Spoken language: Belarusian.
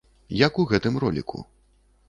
Як у гэтым роліку.